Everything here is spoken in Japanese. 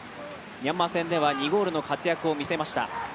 ミャンマー戦では２ゴールの活躍を見せました。